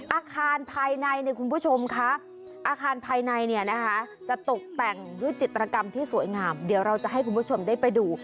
อาคารภายในเนี่ยคุณผู้ชมคะอาคารภายในเนี่ยนะคะจะตกแต่งด้วยจิตรกรรมที่สวยงามเดี๋ยวเราจะให้คุณผู้ชมได้ไปดู